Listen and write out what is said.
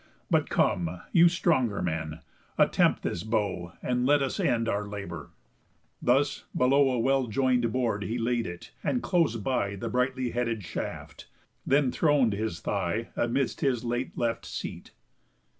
_ But come, you stronger men, attempt this bow, And let us end our labour." Thus, below A well join'd board he laid it, and close by The brightly headed shaft; then thron'd his thigh Amidst his late left seat.